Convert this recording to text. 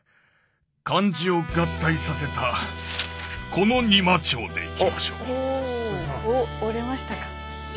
漢字を合体させたこの「仁摩町」でいきましょう。